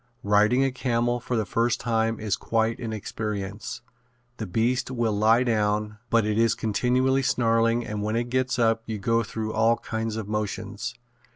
Riding a camel for the first time is quite an experience. The beast will lie down, but it is continually snarling and when it gets up you go through all kinds of motions.